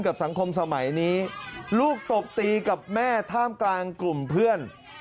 สังคมสมัยนี้ลูกตบตีกับแม่ท่ามกลางกลุ่มเพื่อน